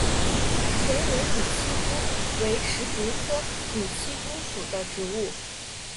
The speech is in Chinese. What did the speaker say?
田野拟漆姑为石竹科拟漆姑属的植物。